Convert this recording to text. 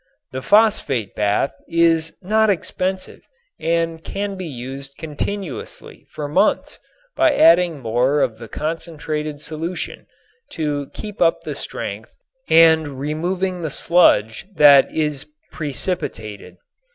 The phosphate bath is not expensive and can be used continuously for months by adding more of the concentrated solution to keep up the strength and removing the sludge that is precipitated.